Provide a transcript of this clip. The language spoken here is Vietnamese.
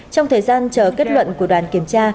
trong thời gian chờ kết luận của đoàn kiểm tra